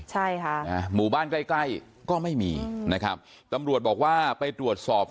ใช่ค่ะหมู่บ้านใกล้ใกล้ก็ไม่มีนะครับตำรวจบอกว่าไปตรวจสอบ